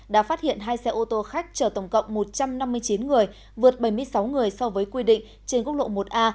đã phát hiện hai xe ô tô khách chở tổng cộng một trăm năm mươi chín người vượt bảy mươi sáu người so với quy định trên quốc lộ một a